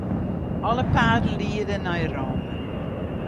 Alle paden liede nei Rome.